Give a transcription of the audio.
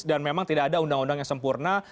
dan memang tidak ada undang undang yang sempurna